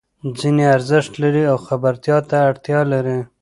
ځینې ارزښت لري او خبرتیا ته اړتیا لري.